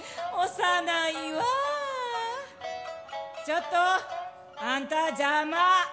「ちょっとあんたじゃま！」。